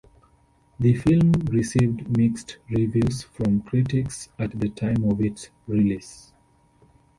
The film received mixed reviews from critics at the time of its release.